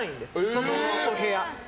そのお部屋。